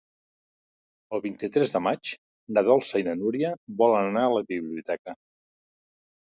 El vint-i-tres de maig na Dolça i na Núria volen anar a la biblioteca.